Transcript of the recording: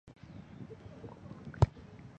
塔德吕兰让。